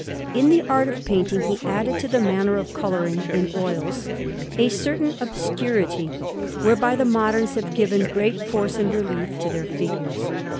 In the art of painting, he added to the manner of colouring in oils a certain obscurity, whereby the moderns have given great force and relief to their figures.